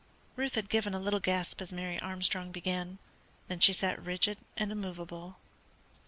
Ruth had given a little gasp as Mary Armstrong began, then she sat rigid and immovable.